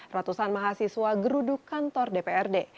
ratusan mahasiswa geruduk kantor dprd